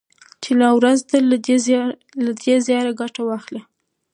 چي لا ورځ ده له دې زياره ګټه واخله